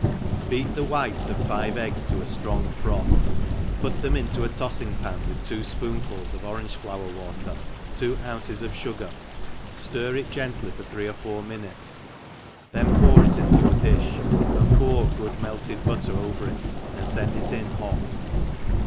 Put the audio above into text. BEAT the whites of five eggs to a ftrong froth, put them into a tofling pan, with two fpoonfuls of orange flower water, two ounces of uigar, ftir it gently for thre<; or four minutes^ then pour it into your di(h, and pour good melted butter over it, and fend it \n hot.